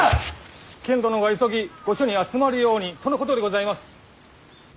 執権殿が急ぎ御所に集まるようにとのことでございます。